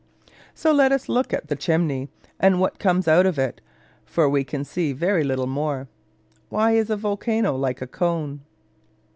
So let us look at the chimney, and what comes out of it; for we can see very little more. Why is a volcano like a cone?